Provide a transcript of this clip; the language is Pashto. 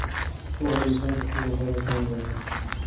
پوهه د انسان تر ټولو غوره پانګه ده.